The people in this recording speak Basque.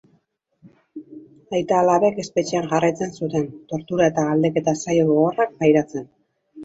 Aita-alabek espetxean jarraitzen zuten, tortura- eta galdeketa-saio gogorrak pairatzen.